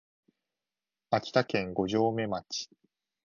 秋田県五城目町